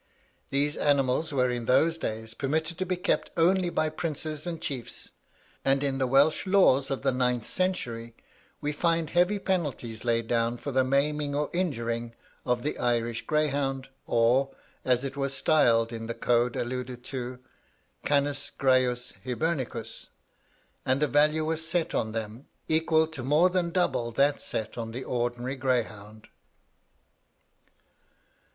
These animals were in those days permitted to be kept only by princes and chiefs; and in the Welsh laws of the ninth century we find heavy penalties laid down for the maiming or injuring of the Irish greyhound, or, as it was styled in the code alluded to, 'Canis Graius Hibernicus;' and a value was set on them, equal to more than double that set on the ordinary greyhound.